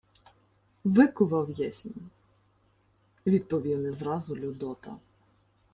— Викував єсмь... — відповів не зразу Людота.